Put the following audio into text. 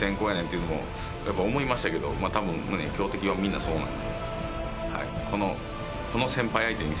というのもやっぱ思いましたけど多分、強敵はみんなそうなる。